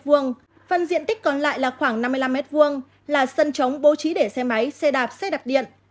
phần diện tích còn lại là khoảng năm mươi năm m hai là sân trống bố trí để xe máy xe đạp xe đạp điện